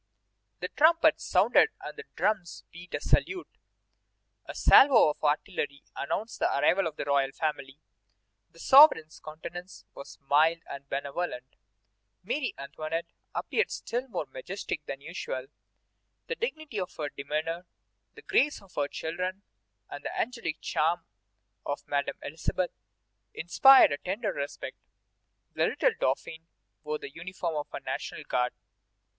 The trumpets sounded and the drums beat a salute. A salvo of artillery announced the arrival of the royal family. The sovereign's countenance was mild and benevolent. Marie Antoinette appeared still more majestic than usual. The dignity of her demeanor, the grace of her children, and the angelic charm of Madame Elisabeth inspired a tender respect. The little Dauphin wore the uniform of a National Guard.